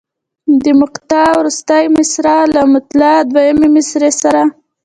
د مقطع وروستۍ مصرع له مطلع دویمې مصرع سره.